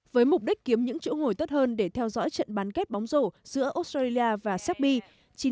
với mục đích kiếm những chỗ ngồi tốt hơn để theo dõi trận bán kết bóng rổ giữa australia và serbi